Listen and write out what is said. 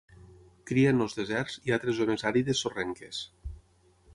Cria en els deserts i altres zones àrides sorrenques.